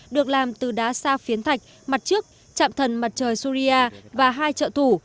được làm từ đá sa phiến thạch mặt trước chạm thần mặt trời surya và hai trợ thủ